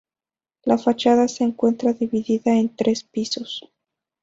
La fachada se encuentra dividida en tres pisos.